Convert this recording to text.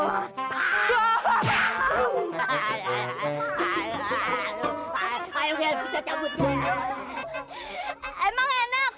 aprender bahasa bahasa inglis